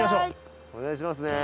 お願いしますね。